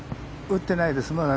打ってないです。